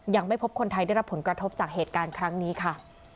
ยังไม่พบคนไทยได้รับผลกระทบจากเหตุการณ์ครั้งนี้ค่ะ